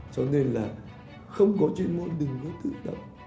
cho nên là không có chuyên môn đừng hút tự động